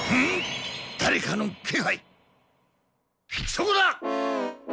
そこだっ！